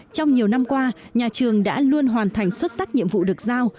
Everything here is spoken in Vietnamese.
trong nhiều năm qua nhà trường đã luôn hoàn thành xuất sắc nhiệm vụ được giao